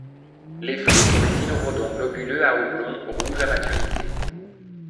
Les fruits sont des cynorrhodons globuleux à oblongs, rouges à maturité.